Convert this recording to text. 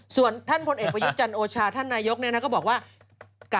ส่วนท่านพลเอกประยุทธ์จันทร์โอชาท่านนายกก็บอกว่า